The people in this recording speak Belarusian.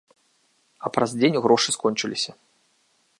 А праз дзень грошы скончыліся.